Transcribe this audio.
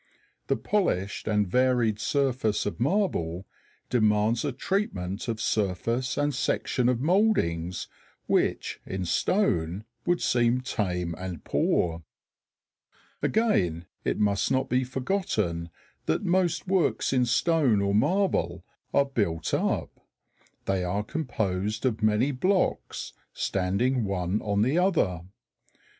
The polished and varied surface of marble demands a treatment of surface and section of mouldings which in stone would seem tame and poor. Again, it must not be forgotten that most works in stone or marble are built up. They are composed of many blocks standing one on the other.